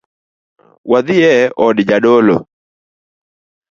Wadhie od jadolo.